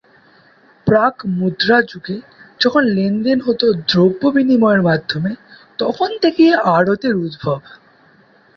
প্রাক্-মুদ্রাযুগে, যখন লেনদেন হতো দ্রব্য বিনিময়ের মাধ্যমে, তখন থেকেই আড়ত-এর উদ্ভব।